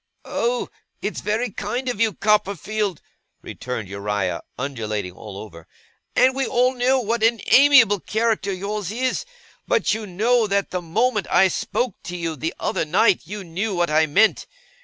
'Oh! it's very kind of you, Copperfield,' returned Uriah, undulating all over, 'and we all know what an amiable character yours is; but you know that the moment I spoke to you the other night, you knew what I meant.